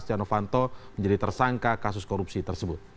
setia novanto menjadi tersangka kasus korupsi tersebut